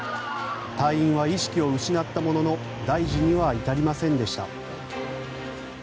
隊員は意識を失ったものの大事には至りませんでした。